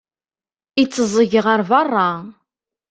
Itteẓẓeg ɣer beṛṛa.